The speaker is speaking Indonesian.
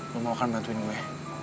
lo mau kan bantuin gue